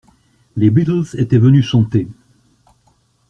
Les Beatles étaient venus chanter.